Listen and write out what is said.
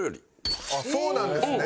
あっそうなんですね。